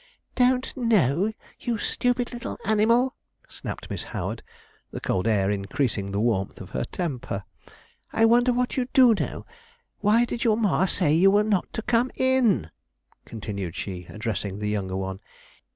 'Don't know! you little stupid animal,' snapped Miss Howard, the cold air increasing the warmth of her temper. 'I wonder what you do know. Why did your ma say you were not to come in?' continued she, addressing the younger one.